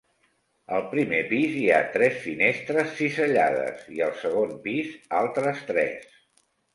Al primer pis hi ha tres finestres cisellades i al segon pis altres tres.